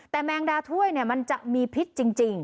แต่แมงดาถ้วยมันจะมีพิษจริง